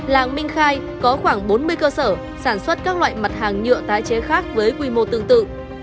làng minh khai có khoảng bốn mươi cơ sở sản xuất các loại mặt hàng nhựa tái chế khác với quy mô tương tự